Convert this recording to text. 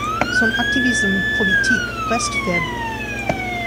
Son activisme politique reste faible.